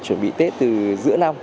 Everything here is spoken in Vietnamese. chuẩn bị tết từ giữa năm